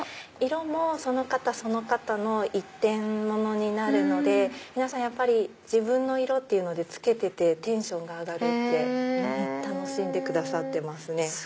色もその方その方の一点物になるので皆さんやっぱり自分の色っていうので着けててテンションが上がるって楽しんでくださってますね。